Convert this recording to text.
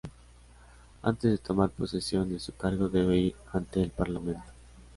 Antes de tomar posesión de su cargo debe ir ante el Parlamento.